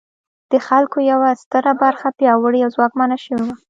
د خلکو یوه ستره برخه پیاوړې او ځواکمنه شوې وه.